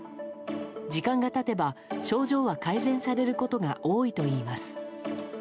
時間が経てば症状は改善されることが多いといいます。